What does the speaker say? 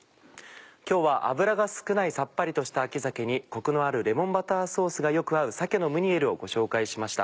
今日は脂が少ないさっぱりとした秋鮭にコクのあるレモンバターソースがよく合う鮭のムニエルをご紹介しました。